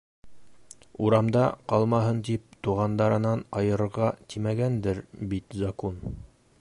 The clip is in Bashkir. —Урамда ҡалмаһын тип, туғандарынан айырырға тимәгәндер бит закун?